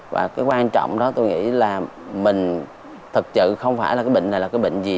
và cái quan trọng đó tôi nghĩ là mình thực sự không phải là cái bệnh này là cái bệnh gì